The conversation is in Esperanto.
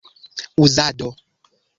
uzado